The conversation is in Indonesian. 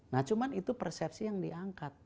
nah cuma itu persepsi yang diangkat